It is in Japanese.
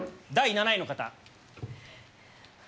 第７位の方。